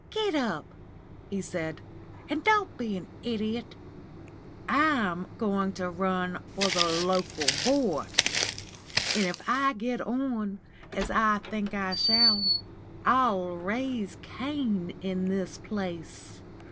"Get up," he said, "and don't be an idiot. I'm going to run for the Local Board; and if I get on, as I think I shall, I'll raise Cain in this place.